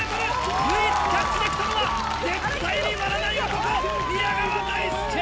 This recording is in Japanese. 唯一キャッチできたのは絶対に割らない男宮川大輔！